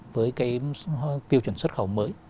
với tiêu chuẩn xuất khẩu mới